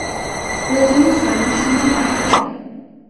প্রয়োজনে ছয় মাস সময় বাড়তে পারে।